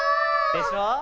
でしょ？